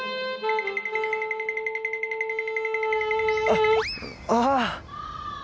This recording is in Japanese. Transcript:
あっああっ！